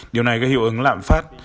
điều này gây hiệu ứng lạm phát